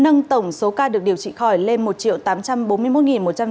nâng tổng số ca được điều trị khỏi lên một tám trăm bốn mươi một một trăm linh ca